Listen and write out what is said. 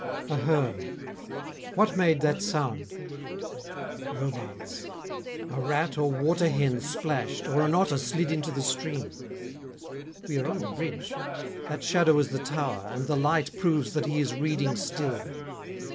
_ AHERNE What made that sound? ROBARTES A rat or water hen Splashed, or an otter slid into the stream. We are on the bridge; that shadow is the tower, And the light proves that he is reading still.